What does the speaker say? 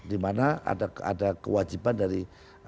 dimana ada kewajiban dari